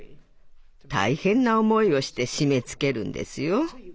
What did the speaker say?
大変な思いをして締めつけるんですよ。